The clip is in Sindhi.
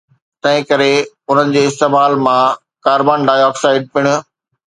تنهنڪري انهن جي استعمال مان ڪاربان ڊاءِ آڪسائيڊ پڻ